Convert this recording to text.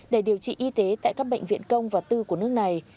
để điều trị y tế tại các bệnh viện công và tư của nước này